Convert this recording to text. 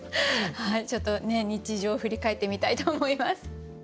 ちょっと日常を振り返ってみたいと思います。